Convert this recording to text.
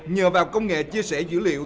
nhờ vào công nghệ chia sẻ dữ liệu